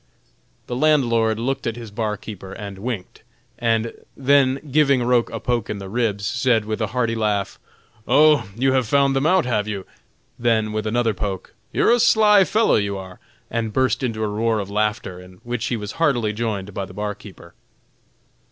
The landlord looked at his bar keeper and winked, and then giving Roch a poke in the ribs, said, with a hearty laugh: "Oh! you have found them out, have you?" Then, with another poke: "You're a sly fellow, you are," and burst into a roar of laughter, in which he was heartily joined by the bar keeper.